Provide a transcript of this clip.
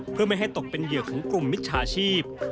เพื่อไม่ให้ตกเป็นเหยื่อของกลุ่มมิจฉาชีพ